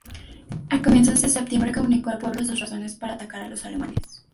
A comienzos de septiembre, comunicó al pueblo sus razones para atacar a los alemanes.